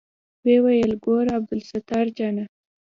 ويې ويل ګوره عبدالستار جانه.